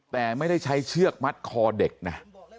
แต่ไม่ได้ใช้เชือกมัดคอเด็กนะ